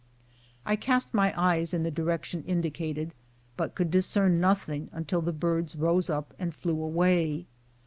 235 I cast my eyes in the direction indicated, but could dis cern nothing until the birds rose up and flew away.